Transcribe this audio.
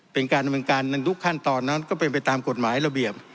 เป็นการดำเนินการในทุกขั้นตอนนั้นก็เป็นไปตามกฎหมายระเบียบ